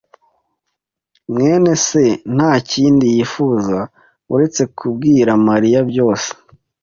mwene se ntakindi yifuza uretse kubwira Mariya byose.